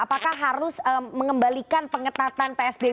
apakah harus mengembalikan pengetatan psbb dan juga untuk penyelenggaraan